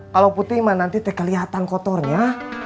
kalau putih mah nanti teh kelihatan kotornya